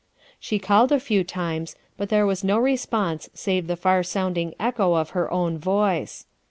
She called a few times, but there was no response save the far sounding echo of her own voice.